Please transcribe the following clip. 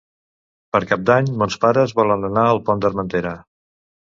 Per Cap d'Any mons pares volen anar al Pont d'Armentera.